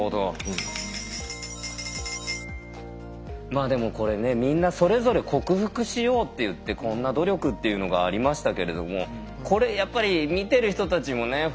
まあでもこれねみんなそれぞれ克服しようっていってこんな努力っていうのがありましたけれどもこれやっぱり見てる人たちもね